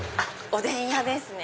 おでん屋ですね。